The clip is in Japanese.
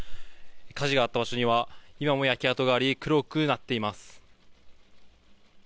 火事があった場所には、今も焼け跡があり、黒くなっています。